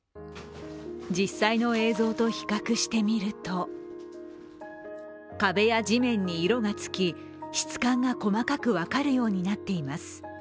実際の映像と比較してみると壁や地面に色がつき質感が細かく分かるようになっています。